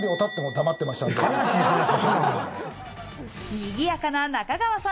にぎやかな中川さん